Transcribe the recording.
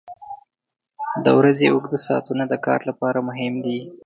• د ورځې اوږده ساعتونه د کار لپاره مهم دي.